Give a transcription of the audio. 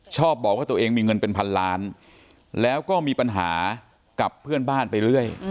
ชอบบอกว่าตัวเองมีเงินเป็นพันล้านแล้วก็มีปัญหากับเพื่อนบ้านไปเรื่อย